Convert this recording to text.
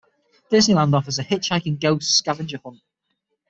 Disneyland offers an "Hitchhiking Ghosts" Scavenger hunt.